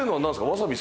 わさび！？